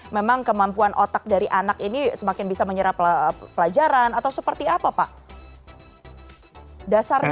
memang kemampuan otak dari anak ini semakin bisa menyerap pelajaran atau seperti apa pak